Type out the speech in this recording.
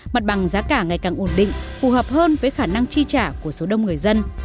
mặt bằng giá cả ngày càng ổn định phù hợp hơn với khả năng chi trả của số đông người dân